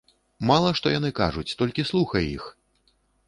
Мала што яны кажуць, толькі слухай іх!